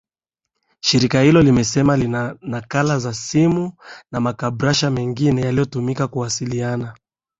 shirika hilo limesema lina nakala za simu na makabrasha mingine yaliotumika kuwasiliana